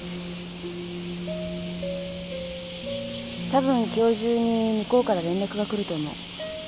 たぶん今日中に向こうから連絡が来ると思う。